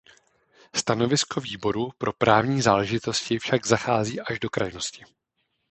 Stanovisko Výboru pro právní záležitosti však zachází až do krajnosti.